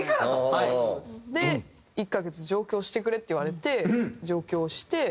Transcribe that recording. で「１カ月上京してくれ」って言われて上京して。